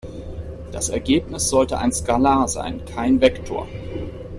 Das Ergebnis sollte ein Skalar sein, kein Vektor.